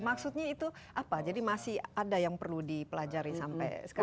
maksudnya itu apa jadi masih ada yang perlu dipelajari sampai sekarang